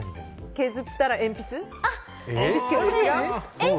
削ったら鉛筆？あ！